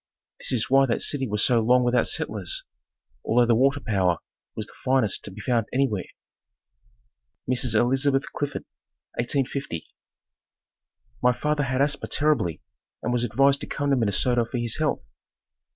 This is why that city was so long without settlers, although the water power was the finest to be found anywhere. Mrs. Elizabeth Clifford 1850. My father had asthma terribly and was advised to come to Minnesota for his health.